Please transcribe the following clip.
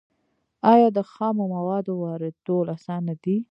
آیا د خامو موادو واردول اسانه دي؟